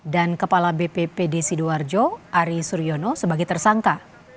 dan kepala bppd sidoarjo ari suryono sebagai tersangka